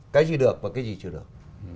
cái gì được và cái gì chưa được